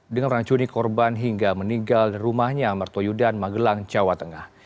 dengan racuni korban hingga meninggal rumahnya mertoyudan magelang jawa tengah